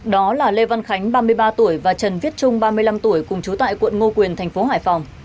đó là lê văn khánh ba mươi ba tuổi và trần viết trung ba mươi năm tuổi cùng chú tại quận ngô quyền thành phố hải phòng